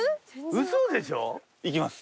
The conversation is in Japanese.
ウソでしょ？いきます。